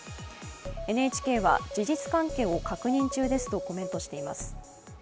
ＮＨＫは、事実関係を確認中ですとこめんとしています。